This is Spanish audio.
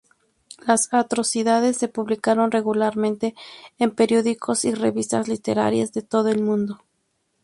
Las atrocidades se publicaron regularmente en periódicos y revistas literarias de todo el mundo.